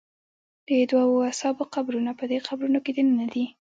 د دوو اصحابو قبرونه په دې قبرونو کې دننه دي.